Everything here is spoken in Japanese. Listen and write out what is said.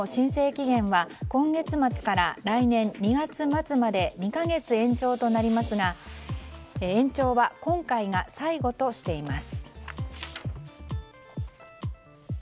マイナンバーカードの申請期限は今月末から来年２月末まで２か月延長となりますが延長は今回が最後としています。